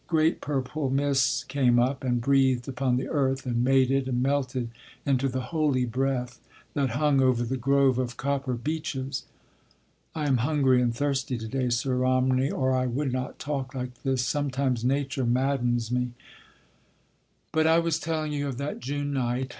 Great purple mists came up and breathed upon the earth and mated and melted into the holy breath that hung over the grove of copper beeches.... I am hungry and thirsty to day, Sir Romney, or I would not talk like this. Sometimes Nature maddens me.... "But I was telling you of that June night.